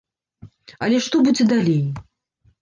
Але што будзе далей?